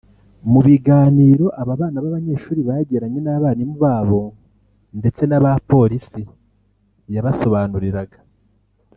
Mu biganiro aba bana b’abanyeshuri bagiranye n’abarimu babo ndetse n’aba polisi yabasobanuriraga